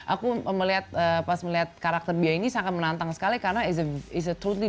aku melihat pas melihat karakter dia ini sangat menantang sekali karena is a is a troothy